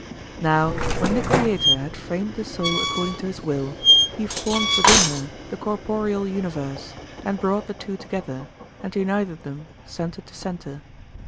Now when the Creator had framed the soul according to his will, he formed within her the corporeal universe, and brought the two together, and united them centre to centre.